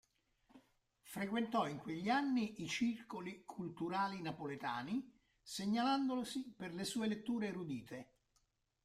Frequentò in quegli anni i circoli culturali napoletani, segnalandosi per le sue letture erudite.